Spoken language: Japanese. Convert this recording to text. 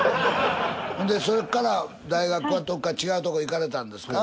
んでそこから大学はどっか違うとこ行かれたんですか？